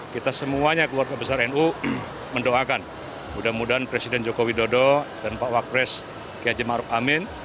kita semuanya keluarga besar nu mendoakan mudah mudahan presiden joko widodo dan pak wakil presiden kiai hasyem ma'ruf amin